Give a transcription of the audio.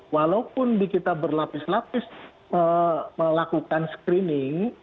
walaupun di kita berlapis lapis melakukan screening